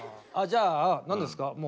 じゃあ何ですか？